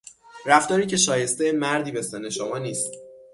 رفتاری که شایسته مردی به سن شما نیست